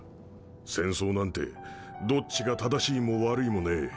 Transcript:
戦争なんてどっちが正しいも悪いもねえ。